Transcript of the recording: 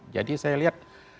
jadi saya lihat